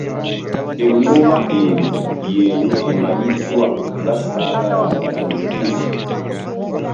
Engoma eno y'eyo emanyiddwa nga Saagalaagalamidde.